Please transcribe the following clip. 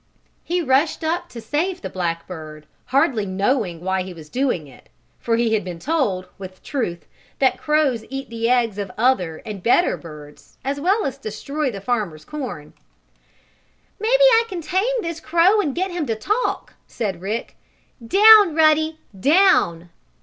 He rushed up to save the black bird, hardly knowing why he was doing it, for he had been told, with truth, that crows eat the eggs of other, and better birds, as well as destroy the farmer's corn. "Maybe I can tame this crow and get him to talk," said Rick. "Down, Ruddy! Down!"